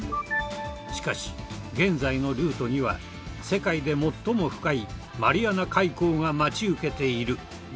しかし現在のルートには世界で最も深いマリアナ海溝が待ち受けている。